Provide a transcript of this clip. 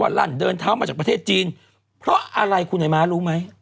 ลั่นเดินเท้ามาจากประเทศจีนเพราะอะไรคุณไอ้ม้ารู้ไหม